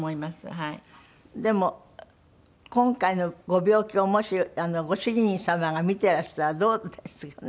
でも今回のご病気をもしご主人様が見てらしたらどうでしたかね？